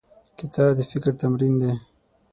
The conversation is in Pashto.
کتاب د فکر تمرین دی.